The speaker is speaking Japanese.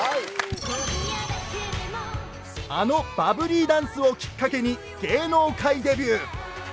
あのバブリーダンスをきっかけに芸能界デビュー！